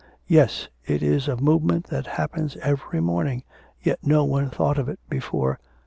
'Yes; it is a movement that happens every morning, yet no one thought of it before.